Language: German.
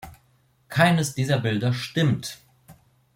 Keines dieser Bilder stimmt!